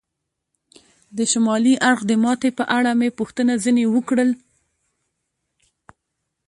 د شمالي اړخ د ماتې په اړه مې پوښتنه ځنې وکړل.